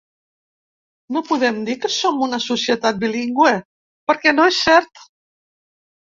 No podem dir que som una societat bilingüe perquè no és cert.